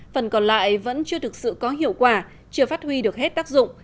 phần còn lại vẫn chưa thực sự có hiệu quả chưa phát huy được hết tác dụng